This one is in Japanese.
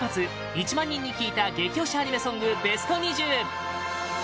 １万人に聞いた激推しアニメソングベスト２０